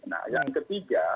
nah yang ketiga